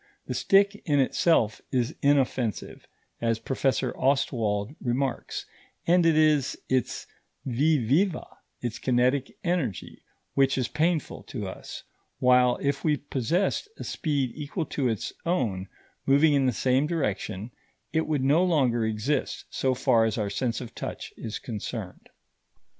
The stick in itself is inoffensive, as Professor Ostwald remarks, and it is its vis viva, its kinetic energy, which is painful to us; while if we possessed a speed equal to its own, moving in the same direction, it would no longer exist so far as our sense of touch is concerned. [Footnote 5: "Nothing is created; nothing is lost" ED.